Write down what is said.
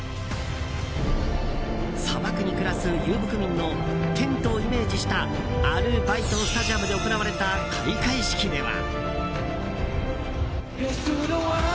砂漠に暮らす遊牧民のテントをイメージしたアル・バイト・スタジアムで行われた開会式では。